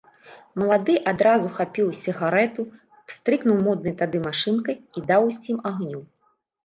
Малады адразу хапіў сігарэту, пстрыкнуў моднай тады машынкай і даў усім агню.